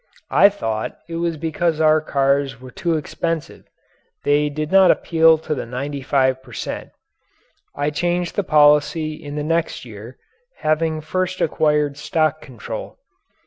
I thought it was because our cars were too expensive they did not appeal to the 95 per cent. I changed the policy in the next year having first acquired stock control.